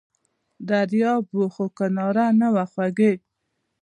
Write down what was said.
دریاب و خو کناره نه وه خوږې!